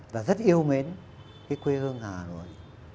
và rất yêu mến cái quê hương hà nội